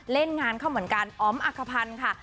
เล่นงานเข้าเหมือนกันอ๋อมอักขพันธ์ค่ะ